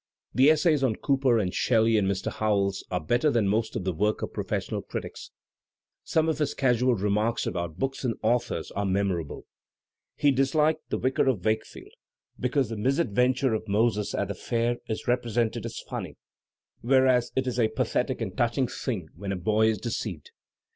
The essays on Cooper and Shelley and Mr. Howells are better than most of the work of professional critics. Some of his casual remarks about books and authois Digitized by Google MAEK TWAIN 265 are memorable. He disliked "The Vicar of Wakefield," because the misadventm^ of Moses at the fair is represented as fumiy, whereas it is a pathetic and touching thing when a boy is deceived.